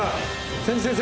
千住先生